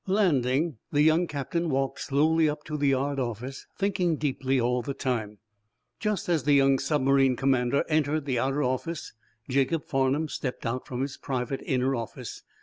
Landing, the young captain walked slowly up to the yard office, thinking deeply all the time. Just as the young submarine commander entered the outer office Jacob Farnum stepped out from his private, inner office.